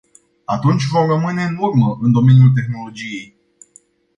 Atunci vom rămâne în urmă în domeniul tehnologiei.